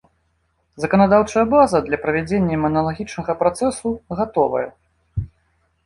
Заканадаўчая база для правядзення маналагічнага працэсу гатовая.